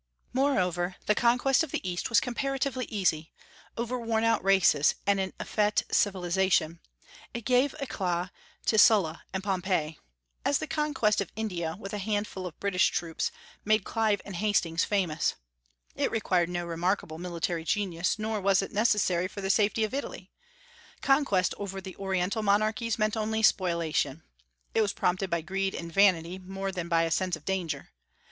Moreover, the conquest of the East was comparatively easy, over worn out races and an effete civilization; it gave éclat to Sulla and Pompey, as the conquest of India, with a handful of British troops, made Clive and Hastings famous; it required no remarkable military genius, nor was it necessary for the safety of Italy. Conquest over the Oriental monarchies meant only spoliation. It was prompted by greed and vanity more than by a sense of danger.